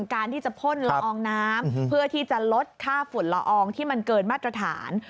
การที่จะพ่นละอองน้ำเพื่อที่จะลดค่าฝุ่นละอองที่มันเกินมาตรฐาน